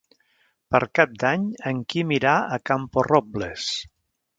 Per Cap d'Any en Quim irà a Camporrobles.